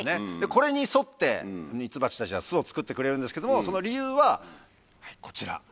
これに沿ってミツバチたちは巣を作ってくれるんですけどもその理由はこちら。